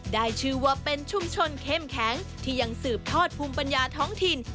ได้ชื่อว่าเป็นชุมชนเข้มแข็งที่ยังสืบทอดภูมิปัญญาท้องถิ่น